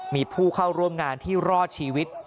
มีผู้เข้าร่วมงานที่รอดชีวิต